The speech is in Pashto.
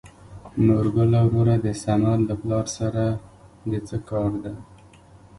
نورګله وروره د سمد له پلار سره د څه کار دى ؟